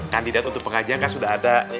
kandidat untuk pengajian kan sudah ada